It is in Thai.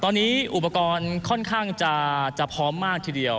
ตอนนี้อุปกรณ์ค่อนข้างจะพร้อมมากทีเดียว